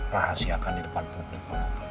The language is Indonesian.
rahasiakan di depan publik